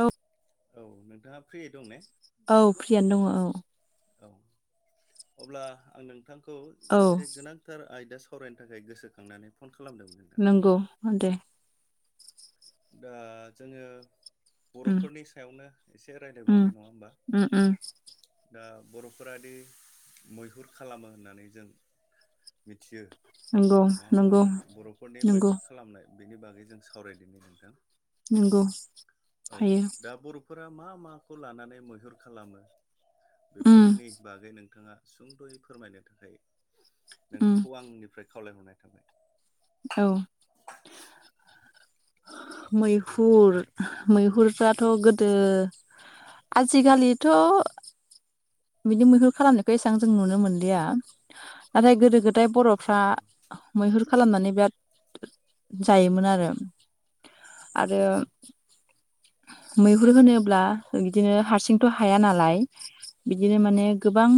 औ औ नोंथाङा फ्रि दं ने? औ फ्रियानो दङ औ। औ अब्ला आं नोंथांखौ औ मोनसे गोनां थार आयदा सावरायनो थाखाय गोसोखांनानै फन खालामदोंमोन। नोंथां नोंगौ दे। दा जोङो उम बर'फोरनि सायावनो एसे उम रायलायबावनाय नङा होमबा? उम उम दा बर'फोरादि मैहुर खालामो होननानै जों मिथियो नंगौ नङा होमब्ला नंगौ बर'फोरनि नंगौ मैहुर खालामनाय बेनि बागै जों सावरायदोनि नोंथां नंगौ औ हायो दा बर' फोरा मा माखौ लानानै मैहुर खालामो उम बेफोरनि बागै नोंथाङा सुंद'यै फोरमायनो थाखाय उम नोंथांखौ आंनिफ्राय खावलायहरनाय थाबाय। औ। मैहुर मैहुरफ्राथ' गोदो आजिखालिथ' बिदि मैहुर खालामनायखौ एसेबां जों नुनो मोनलिया नाथाय गोदो गोदाय बर'फ्रा नंगौ मैहुर खालामनानै बिराद जायोमोन आरो। आरो मैहुर होनोब्ला बिदिनो हारसिंथ' हाया नालाय। बिदिनो माने गोबां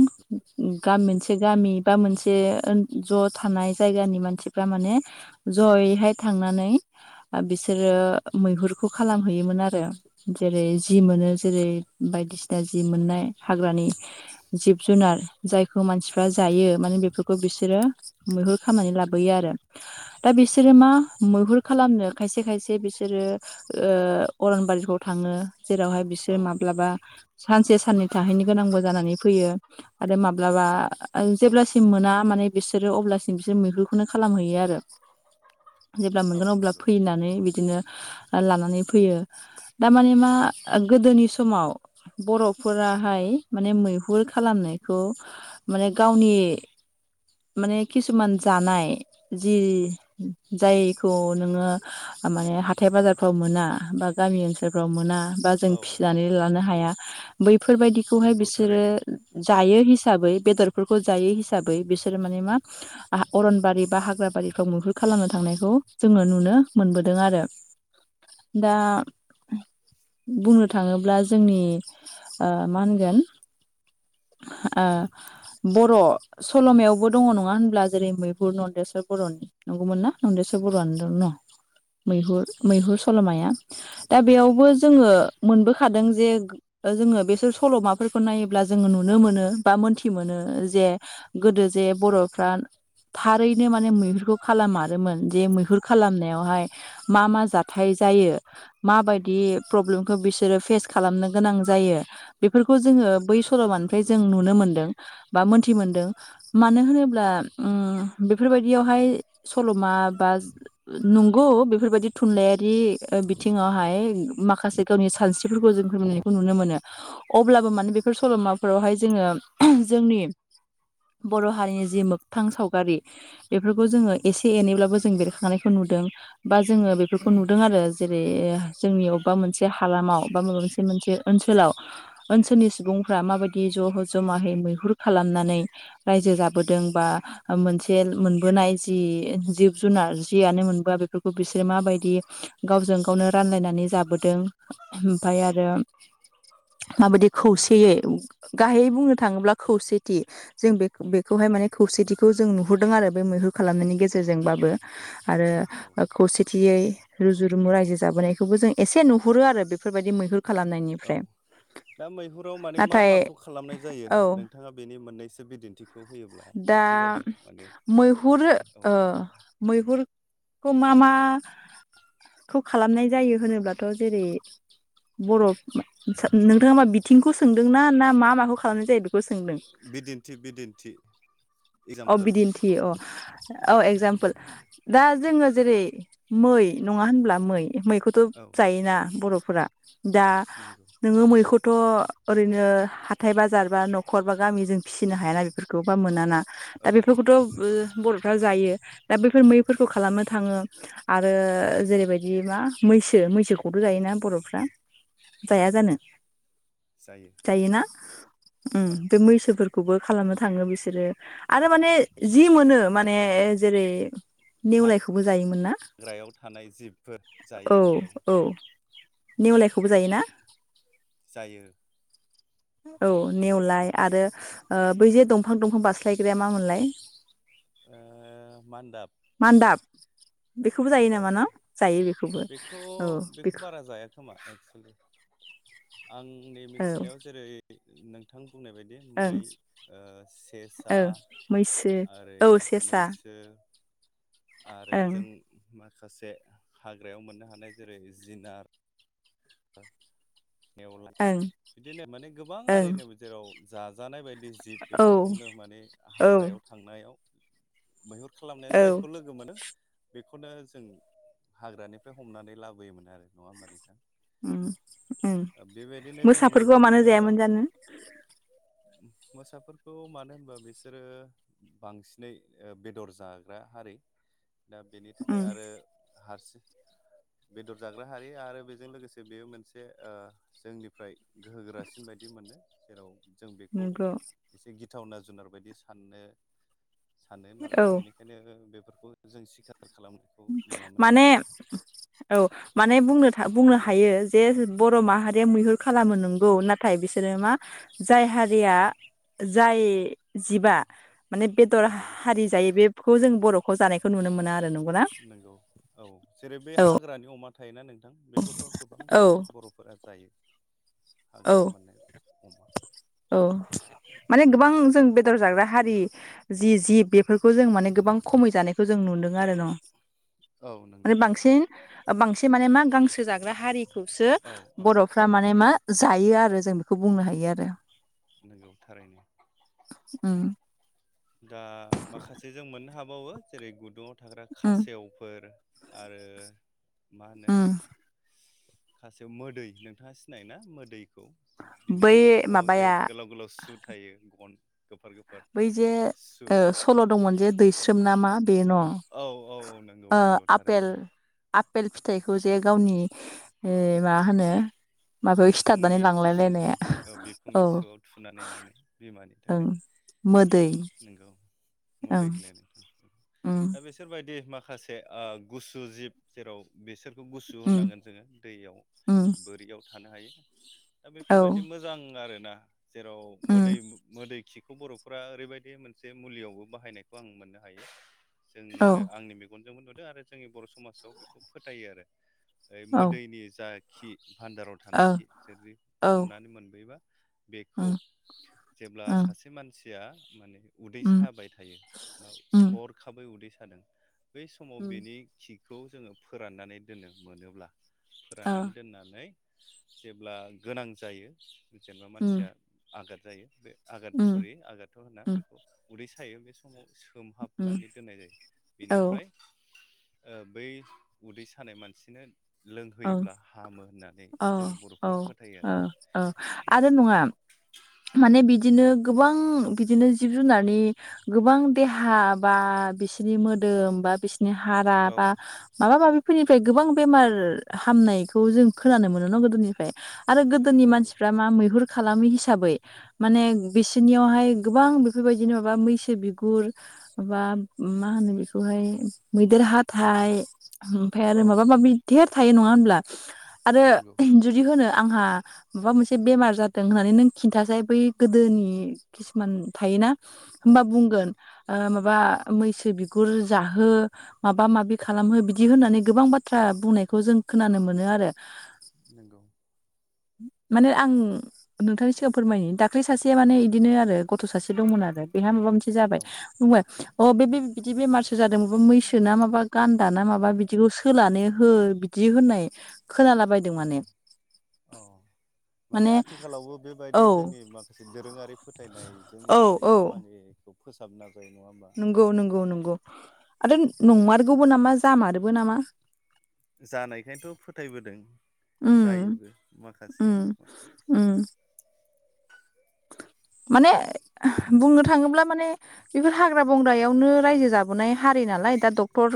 गाम मोनसे गामि बा मोनसे ज' थानाय। जायगानि मानसिफ्रा माने जयैहाय थांनानै बिसोरो मैहुरखौ खालामहैयोमोन आरो। जेरै जि मोनो औ जेरै नंगौ बायदिसिना जि मोननाय। हाग्रानि जिब जुनार जायखौ मानसिफ्रा जायो माने बेफोर खौ बिसोरो मैहुर खामनानै लाबोयो आरो। दा बिसोरो मा मैहुर खालामनो खायसे खायसे बिस सोरो उह अरनबारिफ्राव थाङो जेरावहाय औ बिसोर नंगौ माब्लाबा सानसे साननै थाहैनो गोनांबो जानानै फैयो। आरो माब्लाबा जेब्लासिम मोना माने बिसोरो अब्लासिम बिसोर मैहुरखौनो खालामहैयो आरो। [unintelligible] जेब्ला मोनगोन औ अब्ला नंगौ फैनानै बिदिनो लानानै फैयो दा माने मा गोदोनि समाव बर'फोरा हाय माने मैहुर खालामनायखौ माने गावनि माने किसुमान जानाय जि जायखौ नोङो माने हाथाय बाजारफ्राव मोना बा गामि ओनसोलफ्राव मोना। बा जों औ नंगौ फिसिनानै नंगौ लानो हाया बैफोरबायदिखौहाय नंगौ बिसोरो थारैनो जायो हिसाबै बेदरफोरखौ जायो हिसाबै बिसोरो माने मा आ-अरनबारि बा हाग्रा बारिफ्राव मैहुर खालामनो थांनायखौ जोङो नुनो मोनबोदों आरो। [inaudible] दा बुंनो थाङोब्ला जोंनि उह मा होनगोन ओ बर' सल'मायावबो दङ नङा होनब्ला जेरै मैहुर नन्देस्वर बर'नि। नंगौमोन ना नन्देसर नंगौ बर'आनो दं न' मैहुर मैहुर सल'माया। दा बेयावबो जोङो मोनबोखादों जे उह जोङो बेसोर सल'माफोरखौ नायोब्ला जोङो नुनो मोनो बा मोनथि मोनो जे गोदो जे बर'फ्रा थारैनो माने मैहुरखौ खालामारोमोन जे मैहुर खालामनायावहाय मा मा जाथाय जायो माबायदि प्रब्लेमखौ बिसोरो फेस खालामनो गोनां जायो बेफोरखौ जोङो बै सल'मानिफ्राय नंगौ जों नुनो मोनदों बा मोनथि मोन्दों। मानो होनोब्ला उम बेफोरबायदियावहाय सल'मा बा नंगौ बेफोरबायदि थुनलाइारि बिथिङावहाय माखासे गावनि सानस्रिफोरखौ जों फोर नुनो मोनो अब्लाबो माने बेफोर सल'माफोरावहाय जोङो जोंनि बर' हारिनि जि मोगथां सावगारि बेफोरखौ जोङो एसे एनैब्लाबो जों नंगौ बेरखांनायखौ नुदों बा जोङो बेफोरखौ नुदों आरो जेरै जोंनि अबेबा मोनसे हालामाव बा माबा मोनसे मोनसे ओनसोलाव ओनसोलनि सुबुंफ्रा माबायदि ज'- जमायै मैहुर खालामनानै रायजो जाबोदों बा मोनसे मोनबोनाय जि जिब जुनार जियानो मोनबोआ बेफोरखौ बिसोरो माबायदि गावजों गावनो रानलायनानै जाबोदों ओमफाय आरो माबायदि खौसेयै गाहायै बुंनो थाङोब्ला खौसेथि जों बे बेखौहाय माने खौसेथिखौ जों नुहुरदों आरो बे मैहुर खालामनायनि गेजेरजोंबाबो आरो औ खौसेथियै रुजु रुमु रायजो जाबोनायखौबो जों एसे नुहुरो आरो बेफोरबायदि मैहुर खालामनायनिफ्राय औ दा मैहुराव माने मा नाथाय माखौ खालामनाय जायो औ नोंथाङा बेनि मोननैसो बिदिन बेखौ होयोब्ला दा साबसिन जागौ माने मैहुर औ मैहुरखौ मा मा खौ खालामनाय जायो होनोब्लाथ' जेरै बर' नोंथाङा मा बिथिंखौ सोंदों ना ना मा माखौ खालामनाय जायो बेखौ सोंदों बिदिन्थि बिदिन्थि अ एगजामपोल बिदिन्थियो औ औ एक्जामपोल दा जोङो जेरै मै नङा होनब्ला मै मैखौ थ' औ जायोना बर'फोरा दा नंगौ नोङो मैखौथ' ओरैनो हाथाय बाजार बा नखर बा गामिजों फिसिनो हायाना बेफोरखौबा मोनाना दा ओहो बेफोरखौथ' ओ नंगौ बर'फ्रा जायो दा बैफोर मैफोरखौ खालामनो थाङो आरो जेरैबायदि मा मैसो मैसोखौथ' जायोना बर'फ्रा जाया जायो जानो जायो जायोना ओ औ बे मैसोफोर खौबो खालामनो थाङो बिसोरो आरो माने जि मोनो माने जेरै नेवलायखौबो जायोमोन ना हाग्रायाव थानाय जिबफोर औ जायो नंगौ औ नेवलायखौबो जायोना जायो औ नेवलाय आरो ओ बै जे दंफां दंफां बास्ला यग्राया मामोनलाय? ओ मान्दाब मान्दाब बेखौबो जायो औ नामा ना जायो बेखौबो बेखौ औ बेखौ [unintelligible] आंनि औ मिथिनायाव जेरै नोंथां बुंनाय बाय दि मै ओं ओ सेसा ओं मैसो आरो औ सेसा मैसो आरो ओं जों माखासे हाग्रायाव मोननो हानाय जेरै जिनार नेवलाय ओं बिदिनो माने गोबां ओं हारिनो जेराव जाजानाय बायदि बे जिब बेफोरखौनो औ माने औ हाग्रायाव थांनायाव मैहुर खालामनायाव औ जायखौ लोगो मोनो बेखौनो जों हाग्रानिफ्राय हमनानै लाबोयोमोन आरो नङा होमबा नोंथां [inaudible] ओ बेबायदिनो जों मोसाफोरखौ मैहुर मानो होनोबा जायामोन जानो मोसाफोरखौ मानो होनबा बिसोरो बांसिनै ओ बेदर जाग्रा हारि दा बेनि थाखाय उम आरो हारसि बेदर जाग्रा हारि आरो बेजों लोगोसे जे बेयो मोनसे ओ जोंनिफ्राय गोहो गोरासिन बायदि मोनो जेराव जों बेखौ नंगौ एसे गिथावना जुनार बायदि साननो सानो नालाय औ बेनिखा यनो बेफोरखौ जों सिखार खालामनो माने औ माने बुंनो थां बुंनो हायो जे बर' माहारिया मैहुर खालामो नोंगौ ना थाय बिसोरो मा जाय हारिया जाय जिबा माने बेदर नंगौ हारि जायो बेखौ जों बर'खौ जानायखौ नुनो मोनो आरो नंगौना नोंगौ औ जेरै बे औ हाग्रानि अमा थायोना नोंथां बेखौथ' गोबां औ माने बर' फोरा जायो औ हाग्रायाव मोननाय अमा औ माने गोबां जों बेदर जाग्रा हारि जि जिब बेफोरखौ जों माने गोबां खमै जानायखौ जों नुदों आरो न' औ नंगौ आरो बांसिन बांसिन माने मा गांसो जाग्रा हारिखौसो औ औ बर' फोरा माने मा जायो आरो जों बेखौ बुंनो हायो आरो नोंगौ थारैनो ओ दा माखासे जों मोननो हाबावो जेरै गुदुङाव थाग्रा उम खासेवफोर आरो मा होनो उम खासेव मोदै नोंथाङा सिनायो ना मोदैखौ बिनि बै फिखुङाव जे माबाया गोलाव गोलाव सु थायो गन गोफार गोफार बै जे सु ओ सल' दंमोन जे दैस्रोम ना मा बे न' औ औ औ नोंगौ नोंगौ थारैनो आफपेल फिथाइखौ जे गावनि ओ मा होनो माबायाव खिथाबनानै बिखुंनि सुजों लांलायलायनाया ओ औ बिखुंनि सुआव थुनानै लांनाय ओं मोदै नोंगौ ओं मोदै होनो नोंथां उम दा बिसोरबायदि मा खासे ओ गुसु जिब जेराव बेसोर बेखौ गुसु उम होननांगोन जोङो दैयाव उम बोरियाव थानो हायो दा औ बेफोरबायदि मोजां आरोना जेराव उम मोदै मोदै खिखौ बर'फोरा ओरैबायदि बे मोनसे मुलियावबो बाहायनायखौ आं मोननो हायो औ जोंनो आंनि मेगनजोंबो नुदों आरो जोंनि बर' समाजाव बेखौ फोथायो आरो ओ औ मोदैनि जा खि भान्दाराव थानायखि जुदि ओ औ हमनानै मोनबोबा बेखौ उम जेब्ला ओं सासे सासे मानसिया माने उदै उम साबाय थायो बा उम हरखाबै उदै सादों बै समाव उम बेनि खिखौ जोङो फोराननानै दोननो मोनोब्ला ओ फोराननानै दोननानै जेब्ला गोनां जायो जेनेबा उम मानसिया आघाद जायो बे आघाद उम सरि आघादथ' होनना उम बेखौ उदै सायो बे समाव उम सोमहाबनानै दोननाय जायो औ बेनिफ्राय ओ बै उदै सानाय मानसिनो ओं लोंहोयोब्ला हामो होननानै जोंनि बर'फोरा फोथायो आरो। ओं आरो नङा माने बिदिनो गोबां बिदिनो जिब जुनारनि गोबां देहा बा बिसिनि मोदोम बा बिस बि हारा औ बा माबा माबिफोरनिफ्राय गोबां बेमार हामनायखौ जों खोनानो मोनो न गोदोनिफ्राय आरो गोदोनि नंगौ मानसिफ्रा मा मैहुर खालामि हिसाबै माने बिसोरनियावहाय गोबां बेफोरबायदिनो माबा मैसो बिगुर माबा मा होनो बेखौहाय मैदेर हाथाइ ओमफ्राय आरो औ माबा माबि धेर थायो नङा होनब्ला आरो नंगौ जुदि होनो आंहा माबा मोनसे बेमार जादों होननानै नों खिन्थासै बै गोदोनि किसुमान थायोना औ होनोमबा नंगौ बुंगोन ओ माबा मैसो बिगुर जाहो माबा माबि खालामहो बिदि होननानै गोबां बाथ्रा बुंनायखौ जों खोनानो मोनो आरो। नोंगौ। माने आं नोंथांनि सिगाङांव फोरमायनो दाख्लै सासेया माने बिदिनो आरो गथ' सासे दंमोन आरो बेहा माबा मोनसे औ जाबाय बुंबाय अ बे बिदि बेमारसो जादों मा मैसो ना माबा गान्दा ना माबा बिदिखौ सोलानो हो दि होननाय खोनालाबायदों औ माने औ। माने आथिखालावबो बेबायदि औ जोंनि माखासे दोरोङारि फोथायनायजों औ लोगोसे औ खामानि बेखौ फोसाबना जायो नङा होमबा नंगौ नंगौ नंगौ आरो नंमारगौबो नामा जामारोबो नामा। जानायखायनोथ' फोथायबोदों उम जायोबो माखासेया। ओ। माने बुंनो थाङोब्ला माने बेफोर हाग्रा बंग्रायावनो रायजो जाबोनाय हारि नालाय दा डक्टर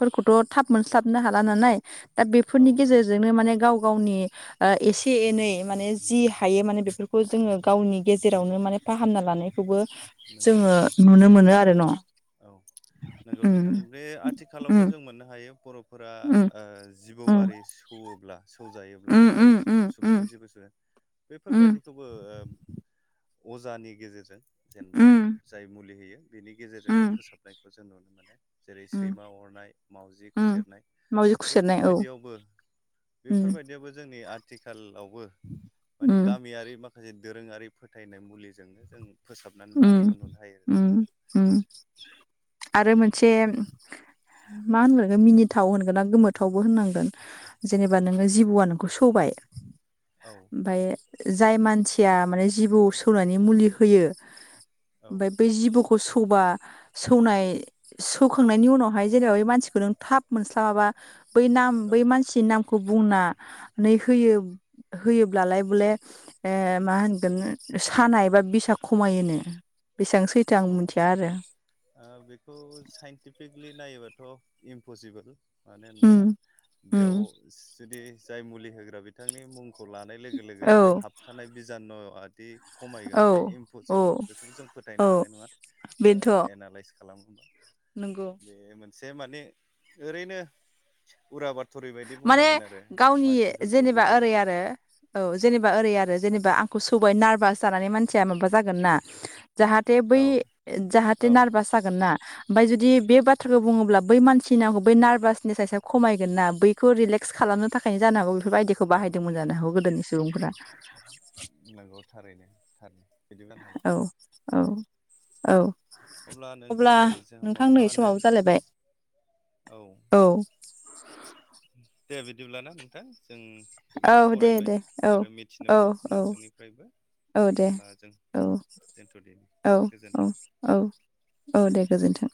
फोरखौथ' थाब मोनस्लाबनो हाला नालाय दा औ बेफोरनि नंगौ गेजेरजोंनो माने गाव गावनि ओ एसे एनै माने जि हायो माने बेफोरखौ जोङो गावनि नंगौ गेजेरावनो माने फाहामना लानायखौबो नंगौ जोङो नुनो मोनो आरो न'। औ नंगौ उम नोंथां बे आथिखालावबो उम जों मोननो हायो बर'फोरा ओ उम जिबौआरि सौवोला सौजायोब्ला उम जाय उम जि उम उम सुबुंखौ जेबो साया उम उम बेफोरबायदिखौबो अजानि गेजेरजों जेनेबा उम जाय मुलि होयो बेनि उम गेजेरजोंनो फोसाबनायखौ जों नुनो मोनो जेरै उम सैमा अरनाय मावजि उम खुसेरनाय मावजि खुसेरनाय औ बेफोरबायदियावबो उम बेफोरबायदियावबो जोंनि आ थिखालावबो माने उम गामियारि माखासे दोरोङारि फोथायनाय मुलिजोंनो जों फोसाबनानै उम लानायखौ नुनो हायो आरो उम नोंथां उम आरो मोनसे मा होनगोन मिनिथाव होनगोना गोमोथावबो होननांगोन जेनेबा नोङो जिबौआ नोंखौ सौबाय औ ओमफ्राय जाय मानसिया माने जिबौ सौनानै मुलि होयो ओमफ्राय औ बै जिबौखौ सौबा सौनाय सौखांनायनि उनावहाय जेरै मानसिखौ नों थाब मोनस्लाबाबा बै नाम औ बै मानसिनि नामखौ बुंनानै होयो होयोब्लालाय बले ओ मा होनगोन सानाय एबा बिसा खमायोनो बेसेबां सैथो आं अ मिथिया आरो ओ बेखौ साइन्टिफिकलि नायोबाथ' इमपसिबोल मानो होनबा उम बेयाव उम जुदि जाय मुलि होग्रा बे बिथांनि मुंखौ लानाय लोगो लोगो औ बे हाबखानाय बिजानु आदि खमायगोन औ बे औ इमपसिबोल बेखौबो जों औ फोथायनो हानाय नङा ओ बेनोथ' एनालइस खालामोबा नंगौ बे मोनसे माने ओरैनो उरा बाथरिबायायदि माने बुंनांगोन आरो गावनि मानसिफोरखौ जेनेबा गोजोन ओरै होनो आरो औ जेनेबा ओरै आरो जेनेबा आंखौ सौबाय नारभास जानानै मानसिया माबा जागोन ना जाहा ते बै औ जाहाथे औ नारभास जागोन ना ओमफफ्राय जुदि बे बाथ्राखौ बुङोब्ला बै मानसिनि आंखौ बै नार्भासनेसस खमगोन ना बै बेखौ रिलेक्स खालामनो थाखायनो जानो हागौ बेफोरबायायदिखौ औ बाहायदोंमोन जानो हागौ गोदोनि सुबुंफोरा होननांगौ थारैनो थारनो औ औ औ अब्ला नोंथां नै जोंहा नोंथां नै माब्लाबानो समाव जालायबाय औ दे बिदिब्लाना नोंथां जों गोबां औ दे सावरायबाय दे औ आरो मिथिनो औ मोनबाय औ नोंथांनिफ्रायबो औ दे अब्ला जों औ दोनथ'दिनि औ औ गोजोन्थों। औ औ दे गोजोन्थों